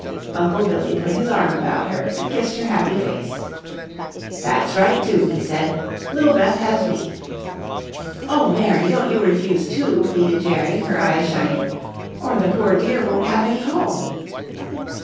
Uncle Billy put his arm about her and kissed her happy face. "That's right, too," he said. "Little Beth has me." "Oh, Mary, don't you refuse, too," pleaded Jerry, her eyes shining, "or the poor dear won't have any home."